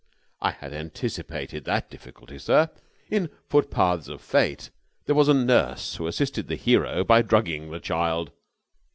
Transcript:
"I had anticipated that difficulty, sir. In 'Footpaths of Fate' there was a nurse who assisted the hero by drugging the child."